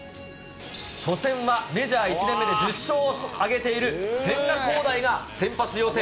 初戦はメジャー１年目で１０勝を挙げている千賀滉大が先発予定。